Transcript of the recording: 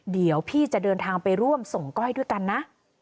เดี๋ยวพี่จะเดินทางไปร่วมส่งก้อยด้วยกันนะ